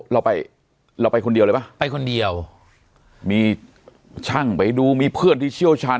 เราไปเราไปคนเดียวเลยป่ะไปคนเดียวมีช่างไปดูมีเพื่อนที่เชี่ยวชาญ